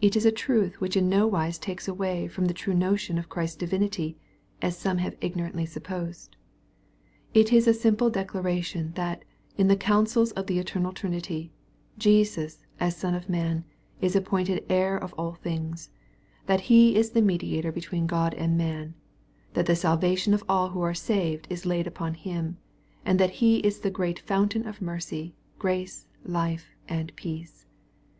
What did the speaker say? It is a truth which in nowise takes away from the true no tion of Christ's divinity, as some have ignorantly supposed. It is simply a declaration, that, in the counsels of the eternal Trinity, Jesus, as Son of man, is appointed heir of all things, — that He is the Mediator between God and man, — that the salvation of all who are saved is laid upon Him, — and that He is the great fountain of mercy, grace, life, and peace.